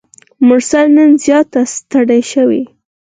مرسل نن زیاته ستړي شوه.